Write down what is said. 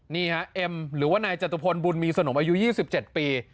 นี่ฮะเอ็มหรือว่านายจตุพลบุญมีสนมอายุ๒๗ปี